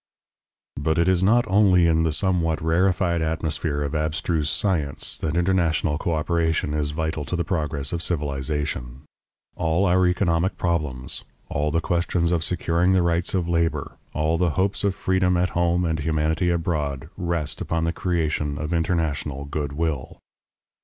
But it is not only in the somewhat rarefied atmosphere of abstruse science that international coöperation is vital to the progress of civilization. All our economic problems, all the questions of securing the rights of labor, all the hopes of freedom at home and humanity abroad, rest upon the creation of international good will.